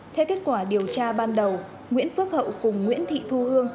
theo kết quả điều tra ban đầu nguyễn phước hậu cùng nguyễn thị thu hương